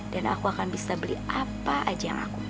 dan aku akan bisa beli apa aja yang aku mau